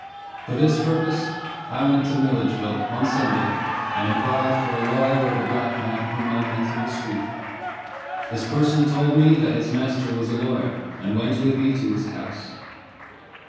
For this purpose, I went to Milledgeville, one Sunday, and inquired for a lawyer of a black man whom I met in the street. This person told me that his master was a lawyer, and went with me to his house.